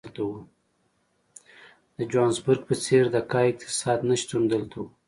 د جوهانسبورګ په څېر د کا اقتصاد نه شتون دلته وو.